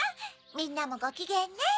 みんなもごきげんね。